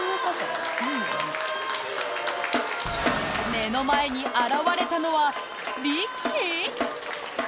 目の前に現れたのは、力士？